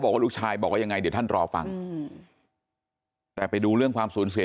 บอกว่าลูกชายบอกว่ายังไงเดี๋ยวท่านรอฟังแต่ไปดูเรื่องความสูญเสีย